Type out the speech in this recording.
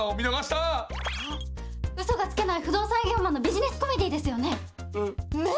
あっ嘘がつけない不動産営業マンのビジネスコメディーですよね？